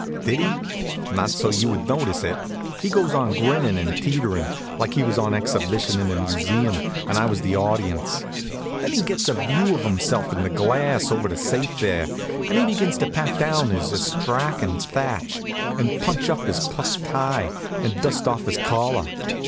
Did he? Not so you would notice it. He goes on grinnin' and teeterin', like he was on exhibition in a museum and I was the audience. Then he gets a view of himself in the glass over the safe there, and begins to pat down his astrakhan thatch, and punch up his puff tie, and dust off his collar.